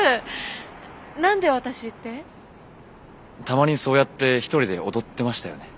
たまにそうやって一人で踊ってましたよね。